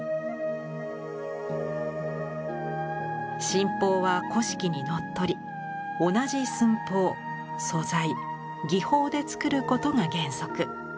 神宝は古式にのっとり同じ寸法素材技法で作ることが原則。